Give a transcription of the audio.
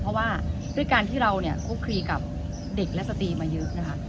เพราะว่าด้วยการที่เราเนี่ยคุกคลีกับเด็กและสตรีมาเยอะนะคะ